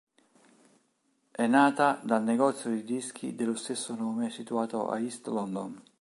È nata dal negozio di dischi dello stesso nome situato a East London.